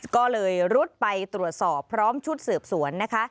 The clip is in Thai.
ก็เลยรุดไปตรวจสอบพร้อมชุดสืบสวนนะคะ